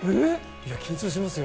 緊張しますよ！